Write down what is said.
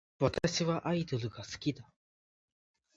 私はアイドルが好きだ